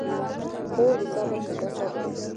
خور د صبر نه ډکه ده.